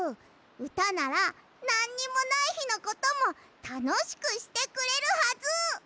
うたならなんにもないひのこともたのしくしてくれるはず！